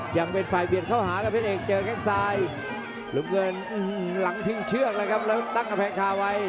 ยังจะไปอีกทีโอ้โหเลือดเชื่อครับโอ้โหมากไม่เชื่อก็ต้องเชื่อครับ